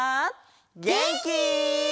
げんき？